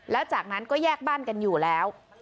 แล้วจากนั้นก็แยกบ้านกันอยู่แล้ว